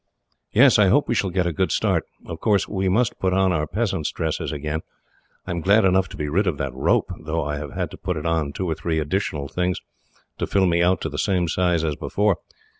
"Yes. I hope we shall get a good start. Of course, we must put on our peasant's dresses again. I am glad enough to be rid of that rope, though I have had to put on two or three additional things, to fill me out to the same size as before.